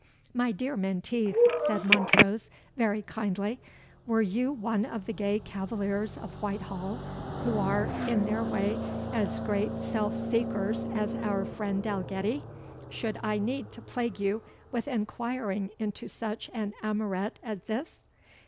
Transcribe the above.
"My dear Menteith," said Montrose, very kindly, "were you one of the gay cavaliers of Whitehall, who are, in their way, as great self seekers as our friend Dalgetty, should I need to plague you with enquiring into such an amourette as this?